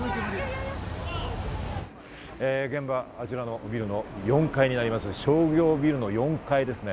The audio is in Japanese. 現場、あちらのビルの４階になります、商業ビルの４階です。